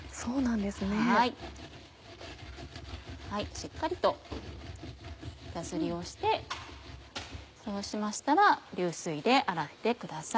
しっかりと板ずりをしてそうしましたら流水で洗ってください。